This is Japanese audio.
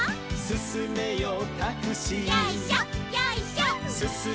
「すすめよタクシー」